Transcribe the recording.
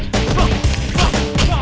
kau harus hafal penuh ya